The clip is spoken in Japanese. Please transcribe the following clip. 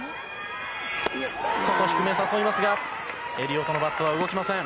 外低め、誘いますがエリオトのバットは動きません。